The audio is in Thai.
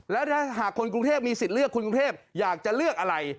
แล้วถ้าหากคนกรุงเทพมีสิทธิ์เลือกคนกรุงเทพอยากจะเลือกอะไร